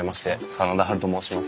真田ハルと申します。